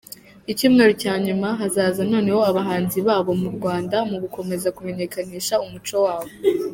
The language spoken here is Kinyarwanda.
Icyumweru cya nyuma hazaza noneho abahanzi babo mu Rwanda mu gukomeza kumenyekanisha umuco wabo.